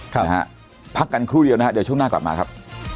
นะฮะพักกันครู่เดียวนะฮะเดี๋ยวช่วงหน้ากลับมาครับ